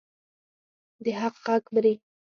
د حق غږ مري؟